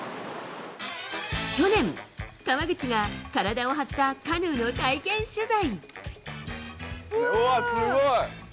去年、川口が体を張ったカヌーの体験取材。